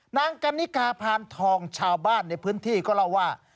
นางกันนิกาพานทองชาวบ้านในพื้นที่ก็เล่าว่า